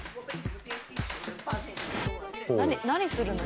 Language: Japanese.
何するの？